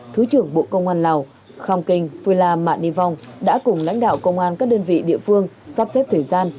thứ trưởng bộ công an lào khong kinh phuê la mạ nhi vong đã cùng lãnh đạo công an các đơn vị địa phương sắp xếp thời gian